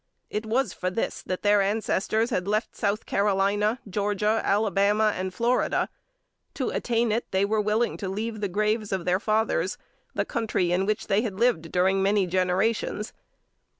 It was for this that their ancestors left South Carolina, Georgia, Alabama and Florida; to attain it, they were willing to leave the graves of their fathers the country in which they had lived during many generations.